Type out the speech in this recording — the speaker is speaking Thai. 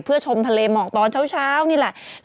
เพื่อชมทะเลหมอกตอนเช้านี่แหละ